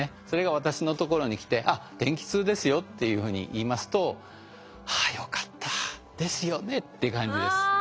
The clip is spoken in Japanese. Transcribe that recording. それが私のところに来て「あっ天気痛ですよ」というふうに言いますと「ああよかった。ですよね」っていう感じです。